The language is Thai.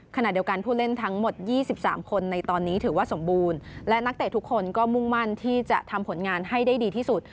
ขณะเดียวกันผู้เล่นทั้งหมด๒๓คนในตอนนี้ถือว่าสมบูรณ์และนักเตะทุกคนก็มุ่งมั่นที่จะทำผลงานให้ได้ดีที่สุด